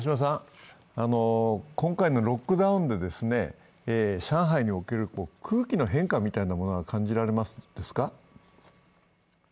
今回のロックダウンで上海における空気の変化みたいなものは感じられますか？